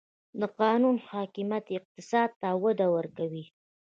د قانون حاکمیت اقتصاد ته وده ورکوي؟